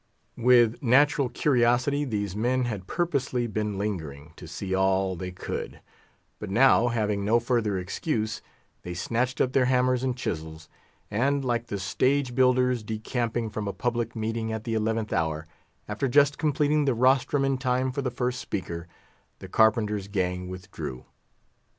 With natural curiosity, these men had purposely been lingering, to see all they could; but now, having no further excuse, they snatched up their hammers and chisels, and—like the stage builders decamping from a public meeting at the eleventh hour, after just completing the rostrum in time for the first speaker—the Carpenter's gang withdrew.